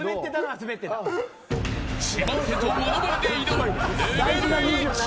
染ませとモノマネで挑むレベル１。